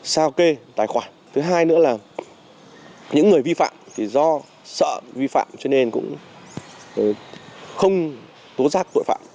sao kê tài khoản thứ hai nữa là những người vi phạm thì do sợ vi phạm cho nên cũng không tố giác tội phạm